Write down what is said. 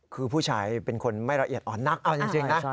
คือผู้ชายเป็นคนไม่ละเอียดอ่อนนักเอาจริงนะ